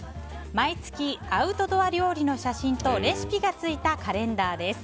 毎月アウトドア料理の写真とレシピがついたカレンダーです。